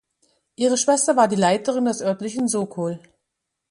Ihre Schwester war die Leiterin des örtlichen Sokol.